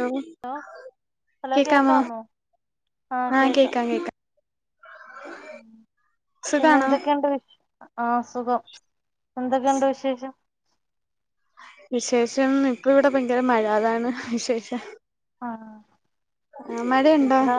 Hello കേക്കാമോ ആഹ് കേക്കാം കേക്കാം പിന്നെ സുഖാണോ എന്തൊക്കെയുണ്ട് ആഹ് സുഖം എന്തൊക്കെയുണ്ട് വിശേഷം വിശേഷം ഇപ്പൊ ഇവിടെ ഭയങ്കര മഴ അതാണ് വിശേഷം ആണോ ആഹ് മഴയുണ്ടോ ഇവ്ടാ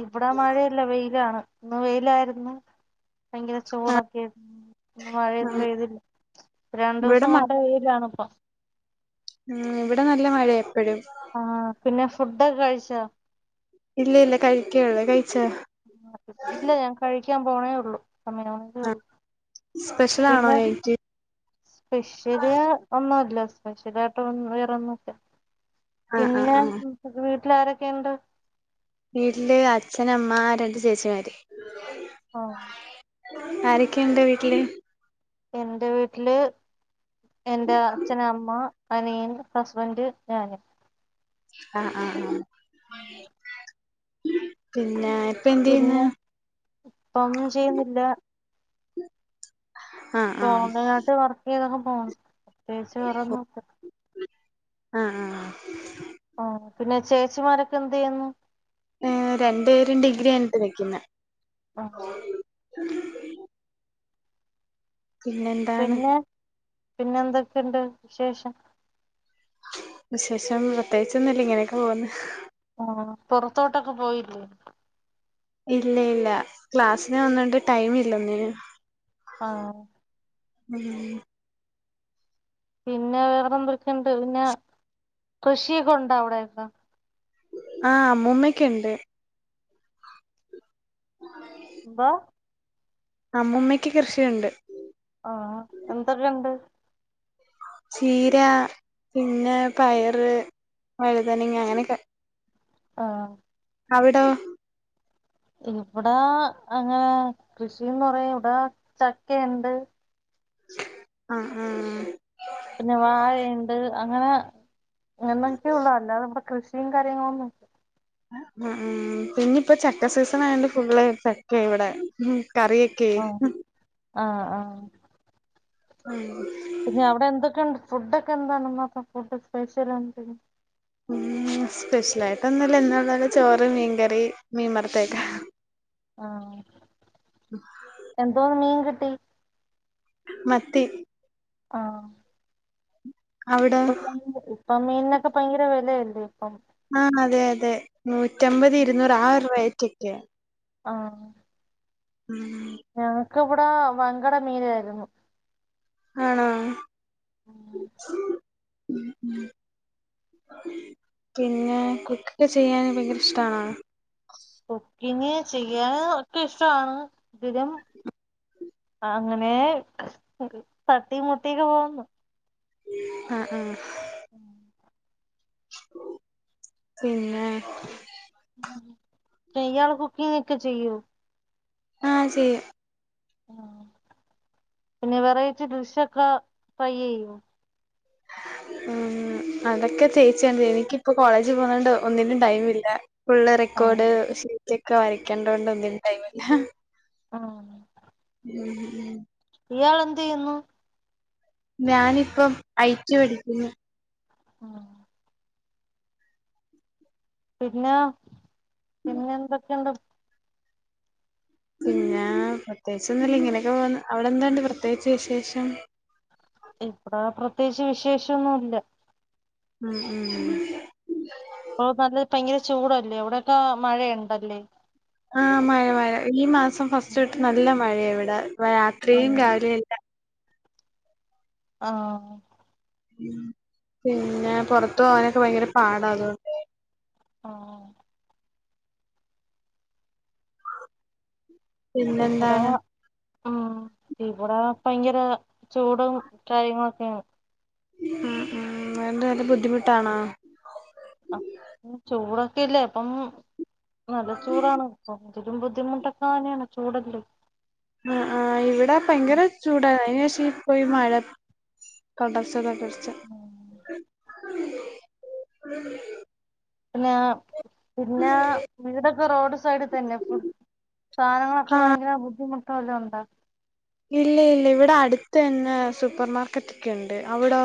ഇവ്ടാ മഴയല്ല വെയിലാണ് ഇന്ന് വെയിലായിരുന്നു ഭയങ്കര ആഹ് ചൂടൊക്കെയായിരുന്നു മഴയൊന്നും ആഹ് പെഴുതില്ല രണ്ടു ഇവിടെ സം കൊണ്ട് വെയിലാണ് ഇപ്പം ഉ ഇവിടെ നല്ല മഴ എപ്പോഴും ആഹ പിന്നെ ഫുഡൊക്കെ കഴിച്ചോ ഇല്ല ഇല്ല കഴിക്കുള്ളേ കഴിച്ച ഇല്ല ഞാൻ കഴിക്കാൻ പോണേ ഉള്ളൂ സമ ആഹ് സ്പെഷ്യലാണോ പിന്നെ നൈറ്റ് സ്പെഷ്യല് ഒന്നുംല്ല സ്പെഷ്യല ആായിട്ട് വേറെന്നൊല്ല ആഹ് ആഹ് പിന്നെ ആഹ് വീട്ടിലാരൊക്കെയുണ്ട് വീട്ടില് അച്ഛനമ്മ രണ്ട് ചേച്ചിമാര് ആഹ ആരൊക്കെയ ഉണ്ട്ോ വീട്ടില് എറെ വീട്ടില് എൻ്റെഅച്ഛന അമ്മ അനീയൻ ഹസ്ബന്ഡ് ഞാന് ആഹ ആഹ ആഹ പിന്നെ എന്ത് ചെയ്യുന്നു പിന്നെ ഇപ്പൊ ഒന്നും ചെയ്യുന്നില്ല ഉ പോണ്ടായിട്ട് വർക്ക് ചെയ്തൊക്കെ പോ പ്രത്യേകിച്ച് വറെന്ന ഇല്ല ആഹ ആഹ പിന്നെ ചേച്ചിമാരൊക്കെ എന്ത് യ്യുന്നു രണ്ടു പേരും ഡിഗ്രി കഴിഞ്ഞിട്ട് നിക്കുന്നെ ആഹ പിന്നെന്ത പിന്നെ പിന്നെ എന്തൊക്കെണ്ട് വിശേഷം വിശേഷം പ്രത്യേകിച്ച് ഒന്നുല്ല ഇങ്ങനെയൊക്കെ പോകുന്ന് ആഹ് പൊറത്തോട്ടൊക്കെ പോയില്ലേ ഇല്ല ഇല്ല ക്ലാസിന് പോവുന്നോണ്ട് ടൈമില്ല ഒന്നിനും ആഹ് ഉം പിന്നെ വേറെ എന്തൊക്കെയുണ്ട് പിന്നെ കൃഷിയൊക്കെ ഉണ്ടാ അവിടെയൊക്കെ ആഹ് അമ്മൂമ്മക്ക് ഇണ്ട് ആ ബ അമ്മൂമ്മയ്ക്ക് കൃഷിയുണ്ട് ആഹ് എന്തക്കെണ്ട് ചീര പിന്നെ പയറ് വഴുതനങ്ങ അങ്ങനെക്കെ ആഹ് അവിടോ ഇവിടാ അങ്ങനെ കൃഷിന്ന് പറയാൻ ഇവിടെ ചക്കയ്ണ്ട് ആഹ് ഹ് പിന്നെ വാഴയ്ണ്ട് അങ്ങനെ അങ്ങനെക്കെയുള്ളൂ അല്ലാതെ ഇബടെ കൃഷി കാര്യങ്ങളൊന്നും ഇല്ല ഉം പിന്നെ ഇപ്പോ ചക്ക സീസൺ ആയോണ്ട് ഫുള്ള് ചക്കേ ഇവടെ ഉം കറി ആഹ് ആഹ് ആഹ് ഉം പിന്നെ അവടെ എന്തൊക്കെയുണ്ട് ഫുഡ് ഒക്കെ എന്താണ് മാത്രം ഫുഡ് സ്പെഷ്യൽ എന്തര് ഉം സ്പെഷ്യലായിട്ട് ഒന്നുംല്ല എന്നുള്ള പോലെ ചോറ് മീൻകറി മീൻ വറത്തതെക്കെ ആഹ് ഉം എന്തോന്ന് മീൻ കിട്ടി മത്തി ആഹ് അവിടോ ഇപ്പൊ [inaudible] ഇപ്പ മീനിനൊക്കെ ഭയങ്കര വെലയല്ലേ ഇപ്പം ആഹ് അതെ അതെ നൂറ്റമ്പത് ഇരുന്നൂറ് ആ ഒരു റേറ്റൊക്കെയാ ആഹ് ഉം ഞങ്ങക്കിവിടെ വങ്കട മീനാര്ന്നു ആണോ പിന്നെ കുക്ക് ഒക്കെ ചെയ്യാന് ഭയങ്കര ഇഷ്ട്ടാണോ കുക്കിങ് ചെയ്യാന് ഒക്കെ ഇഷ്ട്ടാണ് [unintelligible] അങ്ങനെ തട്ടി മുട്ടിയൊക്കെ പോവുന്നു ആഹ് ആഹ് ഏഹ് പിന്നെ ഇയാള് കുക്കിംങ്ങൊക്കെ ചെയ്യോ ആഹ് ചെയ്യും ആഹ് പിന്നെ വെറൈറ്റി ഡ്രിഷ്യയൊക്കെ ട്രൈയ്യെയ്യോ ഉം അതൊക്കെ ചേച്ചിയാണ് എനിക്കിപ്പോ കോളേജ് പോന്നോണ്ട് ഒന്നിനും ടൈമില്ല ഫുള്ള് റെക്കോർഡ് ഷീറ്റൊക്കെ വരയ്ക്കേണ്ടോണ്ട് ഒന്നിനും ടൈമില്ല ആഹ് ഉം ഉം ഇയാളെന്തെയ്യുന്നു ഞാനിപ്പം ഐ ടി പഠിക്കുന്നു ആഹ് പിന്നെ പിന്നെന്തൊക്കെണ്ട് പിന്നെ പ്രത്യേകിച്ച് ഒന്നുല്ലിങ്ങനൊക്കെ പോവുന്നു അവിടെന്തുണ്ട് പ്രത്യേകിച്ച് വിശേഷം ഇവടെ പ്രത്യേകിച്ച് വിശേഷൊന്നുല്ല ഉം ഉം പ്പൊ നല്ല ഭയങ്കര ചൂടല്ലേ ഇവിടൊക്കെ മഴയുണ്ടല്ലേ ആഹ് മഴ മഴ ഈ മാസം ഫസ്റ്റ് തൊട്ട് നല്ല മഴയ ഇവിടെ രാത്രിയും ആഹ് രാവിലെയല്ല ആഹ് ഉം പിന്നെ പൊറത്ത് പോകാനൊക്കെ ഭയങ്കര പാടാ അതൊ ആഹ് ഇവടെ പിന്നെന്താണ് ഉം ഇവടെ ഭയങ്കര ചൂടും കാര്യങ്ങളൊക്കേണ് ഉം ഉം അയിന്റെ നല്ല ബുദ്ധിമുട്ടാണോ ആഹ് ചൂടൊക്കെല്ലേ അപ്പം നല്ല ചൂടാണ് കൊറച്ചൊക്കെ ബുദ്ധിമുട്ടൊക്ക ന്നേണ് ചൂടല്ലേ ആഹ് ആഹ് ഇവിടെ ഭയങ്കര ചൂടാ അയിന് ശേഷിപ്പോയി മഴ തൊടർച്ച- തൊടച്ച പിന്നെ പിന്നെ വീടൊക്കെ റോഡ് സൈഡിത്തന്നെ ഫു സാനങ്ങളൊക്കെ ആ വയങ്കര ബുദ്ധിമുട്ട് വല്ലോംണ്ടോ ഇല്ല ഇല്ല ഇവിടെ അടുത്ത് തന്നെ സൂപ്പർ മാർക്കറ്റൊക്കെണ്ട് അവിടോ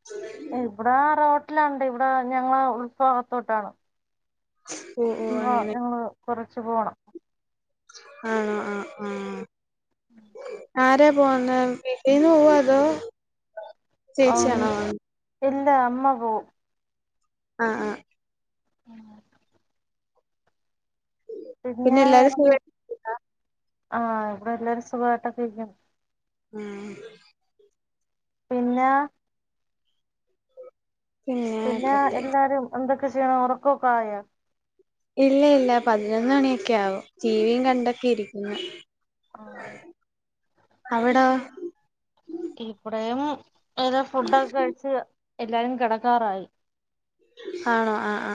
[inaudible] ഇവിടെ റോട്ടിലുണ്ട് ഇവിടെ ഞങ്ങള് ഉൾഭാഗത്തോട്ടാണ് ഓ ഓ അപ്പം ആഹ് അങ്ങനെ ഞങ്ങള് കൊറച്ച് പോണം ആണോ ആഹ് ആഹ് ഉം ആര പോവുന്നെ വീട്ടീന്ന് പോവോ അതോ ചേച്ചിയാണോ ആഹ് പോവുന്നെ? ഇല്ല അമ്മ പോവും ആഹ് ആഹ് ഉം പിന്നെ എല്ലാരും പിന്നെവേറെ ന്തോ സുഖായിട്ടിരിക്കുന്നോ ഇവിടെ എല്ലാരും സുഖമായിട്ടൊക്കെ ഇരിക്കുന്നു ഉം പിന്നെ പിന്നെ എല്ലാരും എന്തൊക്കെ ചെയ്യണ് ഉറക്കൊക്കെ ആയോ. ഇല്ല ഇല്ല പതിനൊന്ന് മണിയൊക്കെ ആകും ടീ വിയും കണ്ടൊക്കെ ഇരിക്കുന്നു. ആഹ് അവിടോ ഇവടേയും എല്ലാം ഫുഡൊക്കെ കഴി ച്ച് എല്ലാരും കിടക്കാറായി. ആഹ് ആ ആ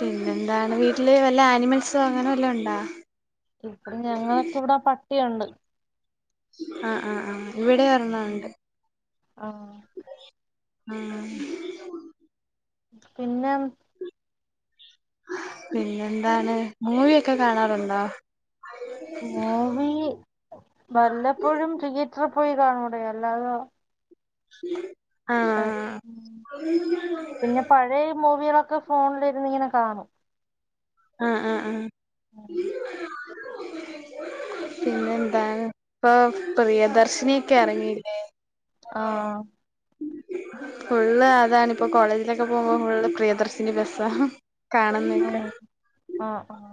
പിന്നെന്താണ് വീട്ടില് വല്ല ആനിമൽസോ അങ്ങനെ വല്ലോണ്ടോ? ഇൽ പ്പെടും ഞങ്ങളൊക്കെ ഇവടെ പട്ടിയുണ്ട്. ആഹ് ആഹ് ആഹ് ഇവിടേം ഒരെണ്ണം ഉണ്ട്. ആഹ് ആഹ് പിന്നെം പിന്നെന്താണ് മൂവി ഒക്കെ കാണാറുണ്ടോ മൂവി വല്ലപ്പോഴും തിയേറ്ററി പോയി കാണൂടി അല്ലാതെ [inaudible] അഹ് ഉം പിന്നെ പഴേ മൂവികളൊക്കെ ഫോണിലിരുന്ന് ഇങ്ങനെ കാണും. ആഹ് ആഹ് ആഹ് പിന്നെ എന്താണ് ഇപ്പാ പ്രിയദർശിനിയൊക്കെ എറങ്ങിയില്ലേ. ആഹ് ഫുള്ള് അതാണിപ്പൊ കോളേജിലൊക്കെ പോകുമ്പൊ ഫുള്ള് പ്രിയദർശിനി ബസ്സാ കാണുന്നൊക്കെ ആണോ ഉം ആഹ് ആഹ്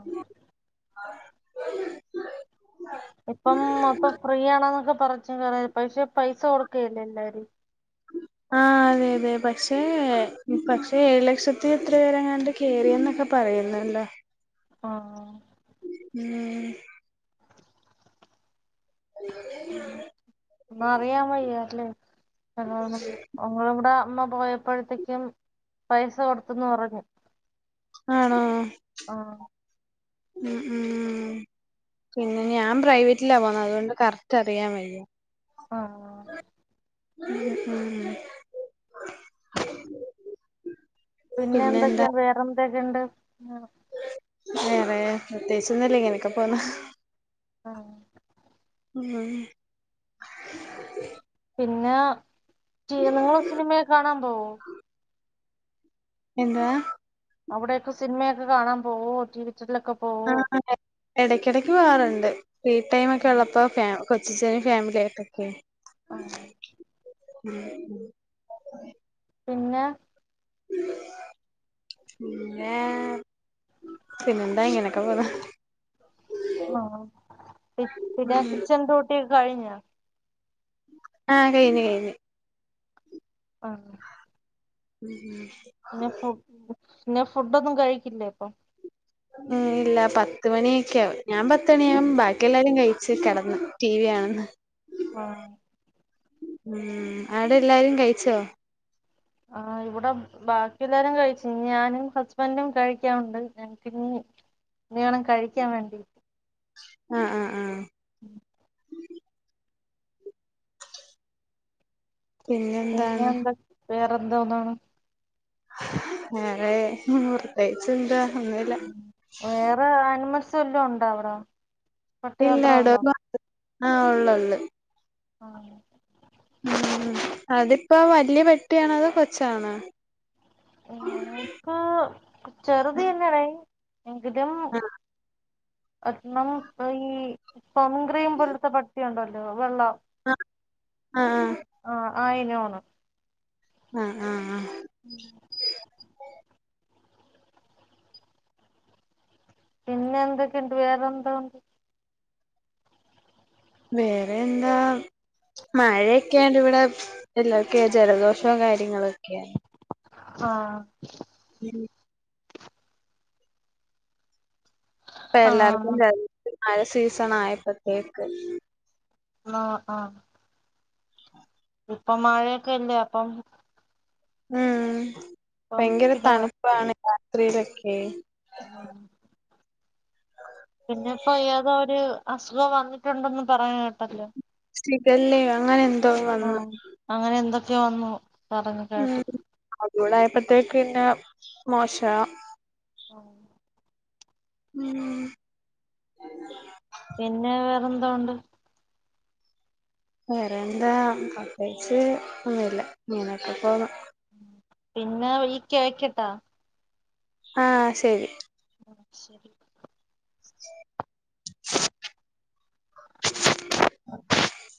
ഇപ്പം മൊത്തം ഫ്രീ ആണ്ന്നൊക്കെ പറച്ചില് തൊടങ്ങി പക്ഷെ പൈസ കൊട്ക്കയല്ലേ എല്ലാരും. ആഹ് അതെ അതെ പക്ഷേ പക്ഷേ ഏഴ് ലക്ഷത്തി എത്ര പേരെങ്ങാണ്ട്. കേറിന്നൊക്കെ പറയുന്നല്ലോ. ആഹ് ആഹ് ഉം [inaudible] ഉം ഒന്നും അറിയാൻ വയ്യല്ലേ. അങ്ങളെ [unintelligible] അങ്ങളെ വ്ടെ അമ്മ പോയപ്പഴത്തേക്കും പൈസ കൊട്ത്തെന്ന് പറഞ്ഞു. ആണോ ആഹ് ഉം ഉം പിന്നെ ഇനി ഞാൻ പ്രൈവറ്റിലാ പോണത് അതുകൊണ്ട് കറക്റ്റ് അറിയാൻ വയ്യ. ആണോ ഉം ഉം ഉം പിന്നെ എന്തെക്കെയുണ്ട് വേറെ എന്തൊക്കെയുണ്ട്. വേറെ പ്രത്യേകിച്ച് ഒന്നുല്ല ഇങ്ങനൊയൊക്കെ പോവ്ന്ന് ആഹ് ഉം ഉം പിന്നെ [unintelligible] ങ്ങളെ സിനിമയൊക്കെ കാണാൻ പോവോ എന്തുവാ അവിടെയൊക്കെ സിനിമയൊക്കെ കാണാൻ പോവോ തിയേറ്ററിലൊക്കെ പോ ആഹ്, [unintelligible] എടയ്ക്കെടയ്ക്ക് പോകാറുണ്ട് ഫ്രീ ടൈം ഒക്കെ ഉള്ളപ്പോ ഫാ കൊച്ചച്ചനും ഫാമിലി ആയിട്ടൊക്കെ. ആ ഉം ഉം പിന്നെ പിന്നെ പിന്നെന്താ ഇങ്ങനെക്കെ പോവ്ന്ന് ആഹ് പി പിന്നെ കിച്ചൻഡ്യൂട്ടിയൊക്കെ കഴിഞ്ഞൊ ആഹ് കഴിഞ്ഞ് കഴിഞ്ഞ് ആഹ് ഉം ഉം പിന്നെ ഫുഡ് പിന്നെ ഫുഡ്ഡൊന്നും കഴിക്കില്ലേ പ്പൊ? ഉം ഇല്ല പത്ത് മണിയൊക്കെയാവും ഞാൻ പത്ത് മണി [inaudible] ബാക്കിയെല്ലാരും കഴിച്ച് കെടന്ന് ടിവി കാണുന്ന് ആഹ് ഉം അവ്ടെ എല്ലാരും കഴിച്ചോ? ആഹ് ഇവിടെ ബാക്കിയല്ലാരും കഴിച്ച് ഞാനും ഹസ്ബന്റും കഴിക്കാൻ ഉണ്ട് ഞങ്ങക്ക്‌ ഇനി ഇനി വേണം കഴിക്കാൻ വേണ്ടി ആഹ് ആഹ് ആഹ് പിന്നെ പിന്നെന്താണ് എന്താ വേറെന്തൊന്നാണ്? വേറെ പ്രത്യേകിച്ചെന്താ ഒന്നുല്ല വേറെ ആനിമൽസ് വല്ലോം ഉണ്ടോ അവ്ടെ? ഇല്ല ഡോഗ് മാത്രേ ആഹ് ഉള്ളുള്ളു ആഹ് ഉം അതിപ്പോ വല്ല്യ പെട്ടിയാണോ അതൊ കൊച്ചാണോ? ഇങ്ങന്ന്പ്പൊ ചെറുതിയല്ലടെയ് എങ്കിലും ആഹ് ഒരെണ്ണം ഈ കൊഗ്രീം പോൽത്തെ പട്ടിയുണ്ടല്ലോ വെള്ള ആഹ് ആഹ് ആഹ് ആയിനോണ്. ആഹ് ആഹ് ആഹ് [inaudible] പിന്നെന്തെക്കെണ്ട് വേറെന്താ? വേറെയെന്താ മഴയൊക്കെയാണ് ഇവിടെ എല്ലാർക്കുവേ ജലദോഷവും കാര്യങ്ങളൊക്കെയാ ആഹ് [inaudible] ഇപ്പ ആ എല്ലാർക്കും ജലദോഷം മഴ സീസണായപ്പൾത്തേക്ക് ആഹ് ആഹ് ഇപ്പൊ മഴൊക്കല്ലേ അപ്പം ഉം ഇപ്പം ഭയങ്കര പിന്നെ തണുപ്പാണ് രാത്രിയിലൊക്കെ ആഹ് പിന്നെപ്പോ ഏതോരു അസുഖം വന്നിട്ടുണ്ടെന്ന് പറഞ്ഞ് കേട്ടല്ലോ ഷിഗല്ലെ അങ്ങനെന്തോ ആ വന്ന് അങ്ങനെ എന്തൊക്കെയോ വന്നു. പറഞ്ഞു കേട്ടു ഉം അതു കൂടായപ്പോത്തേക്ക് പിന്നെ മോശ ആഹ് ഊം പിന്നെ വേറെന്തൊണ്ട്? വേറെയെന്താ പ്രത്യേകിച്ച് ഒന്നുംല്ല ഇങ്ങനൊക്കെ പോണു. പിന്നെ വിളിക്കാ വെക്ക്യട്ടോ ആഹ് ശെരി ആഹ് ശെരി [inaudible]